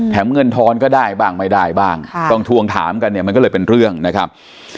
เงินทอนก็ได้บ้างไม่ได้บ้างต้องทวงถามกันเนี่ยมันก็เลยเป็นเรื่องนะครับ